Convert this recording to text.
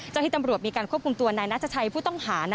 ที่ตำรวจมีการควบคุมตัวนายนัชชัยผู้ต้องหา